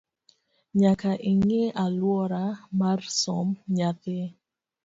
Nyaka ing’i aluora mar somb nyathi